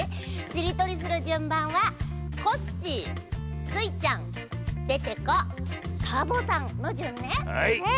しりとりするじゅんばんはコッシースイちゃんデテコサボさんのじゅんね。